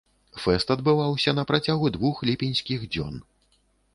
Фэст адбываўся на працягу двух ліпеньскіх дзён.